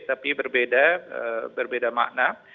tapi berbeda berbeda makna